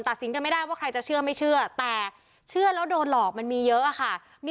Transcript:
สินกันไม่ได้ว่าใครจะเชื่อไม่เชื่อแต่เชื่อแล้วโดนหลอกมันมีเยอะค่ะ